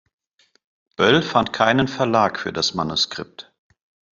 Böll fand keinen Verlag für das Manuskript.